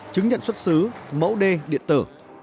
chứng nhận xuất xứ mẫu d điện tử